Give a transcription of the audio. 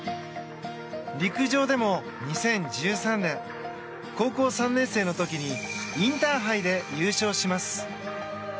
陸上でも２０１３年高校３年生の時にインターハイで優勝します。